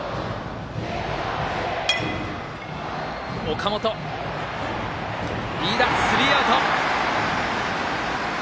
岡本、飯田、スリーアウト。